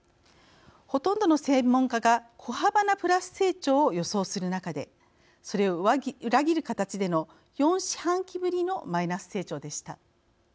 ほとんどの専門家が小幅なプラス成長を予想する中でそれを裏切る形での４四半期ぶりのマイナス成長でした。